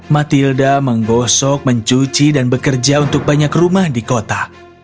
matilda menggosok mencuci dan bekerja untuk banyak rumah di kota